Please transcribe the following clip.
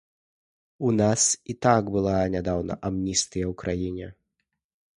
У нас і так была нядаўна амністыя ў краіне.